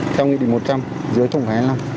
trong nghị định một trăm linh dưới tổng khoản hai mươi năm